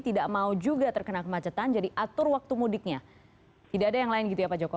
tidak mau juga terkena kemacetan jadi atur waktu mudiknya tidak ada yang lain gitu ya pak joko